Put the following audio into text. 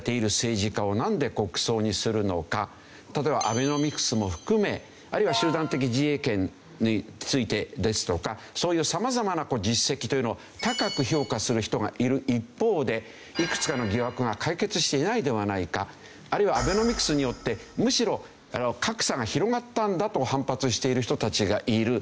例えばアベノミクスも含めあるいは集団的自衛権についてですとかそういう様々な実績というのを高く評価する人がいる一方でいくつかの疑惑が解決していないではないかあるいはアベノミクスによってむしろ格差が広がったんだと反発している人たちがいる。